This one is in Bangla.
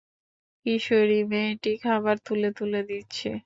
কিশোরী মেয়েটি খাবার তুলে তুলে দিচ্ছে।